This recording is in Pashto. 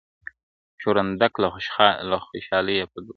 چوروندک له خوشالیه په ګډا سو-